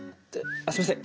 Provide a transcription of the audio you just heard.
あっすいません。